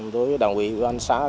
đối với đảng quỹ an xã